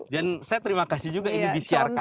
dan saya terima kasih juga ini disiarkan